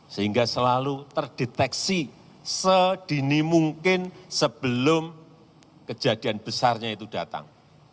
sehingga selalu terdeteksi sedini mungkin sebelum kejadian besarnya itu datang